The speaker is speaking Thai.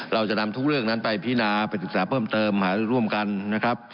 เราจะนำทุกเรื่องนั้นไปพินาไปศึกษาเพิ่มเติมหาเรื่องร่วมกัน